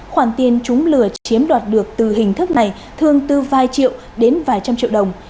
khoản tiền chúng lừa chiếm đoạt được từ hình thức này thường từ vài triệu đến vài trăm triệu đồng